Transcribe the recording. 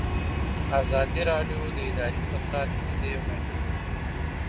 ازادي راډیو د اداري فساد کیسې وړاندې کړي.